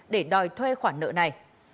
để đòi thuê khoản nợ này